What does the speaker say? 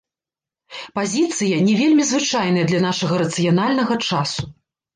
Пазіцыя не вельмі звычайная для нашага рацыянальнага часу.